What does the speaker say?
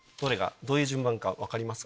どういう順番か分かりますか？